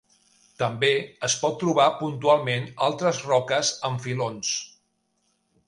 També es pot trobar puntualment altres roques en filons.